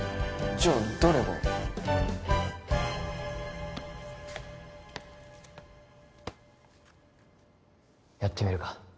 じゃあ誰がやってみるか？